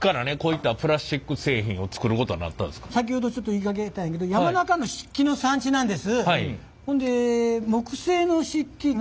先ほどちょっと言いかけたんやけど山中の漆器の産地なんです。